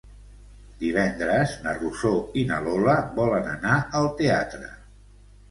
Divendres na Rosó i na Lola volen anar al teatre.